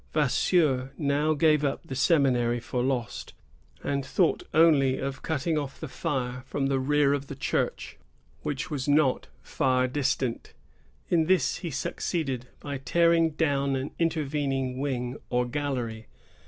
Vasseur now gave up the seminary for lost, and thought only of cutting off the fire from the rear of the church, which was not far distant. In this he succeeded, by tearing down an intervening wing or gallery.